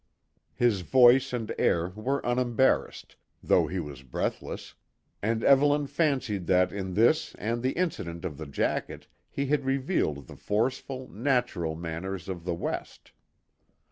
His voice and air were unembarrassed, though he was breathless, and Evelyn fancied that in this and the incident of the jacket he had revealed the forceful, natural manners of the West.